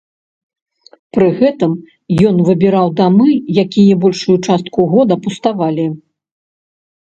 Пры гэтым ён выбіраў дамы, якія большую частку года пуставалі.